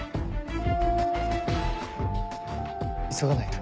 急がないと。